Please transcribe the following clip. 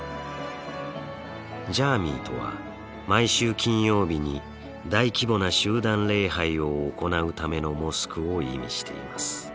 ジャーミイとは毎週金曜日に大規模な集団礼拝を行うためのモスクを意味しています。